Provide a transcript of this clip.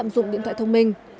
lạm dụng điện thoại thông minh